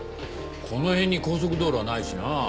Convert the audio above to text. この辺に高速道路はないしな。